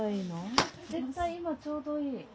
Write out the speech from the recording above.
絶対今ちょうどいい。